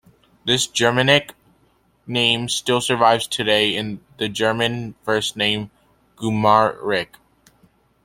This Germanic name still survives today in the German first name Gumarich.